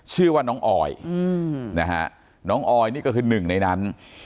ชื่อว่าน้องออยนะฮะน้องออยนี่ก็คือหนึ่งในนั้น